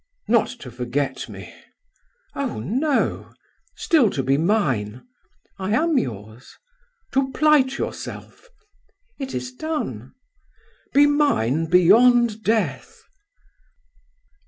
"Not to forget me?" "Oh! no." "Still to be mine?" "I am yours." "To plight yourself?" "It is done." "Be mine beyond death?"